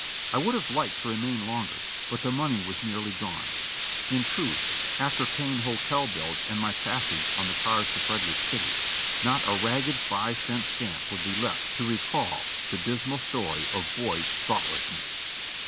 I would have liked to remain longer, but the money was nearly gone; in truth, after paying hotel bills and my passage on the cars to Frederick City, not a ragged five cent stamp would be left to recall the dismal story of boyish thoughtlessness.